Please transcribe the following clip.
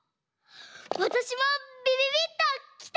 わたしもびびびっときた！